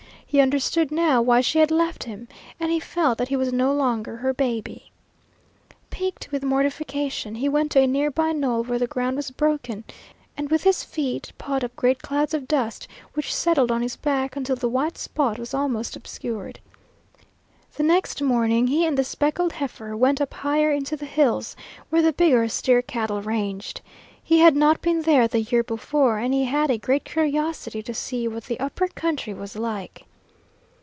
He understood now why she had left him, and he felt that he was no longer her baby. Piqued with mortification he went to a near by knoll where the ground was broken, and with his feet pawed up great clouds of dust which settled on his back until the white spot was almost obscured. The next morning he and the speckled heifer went up higher into the hills where the bigger steer cattle ranged. He had not been there the year before, and he had a great curiosity to see what the upper country was like.